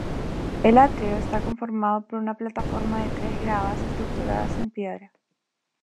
El atrio está conformado por una plataforma de tres gradas estructuradas en piedra.